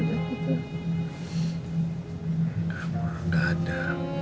enggak mama enggak ada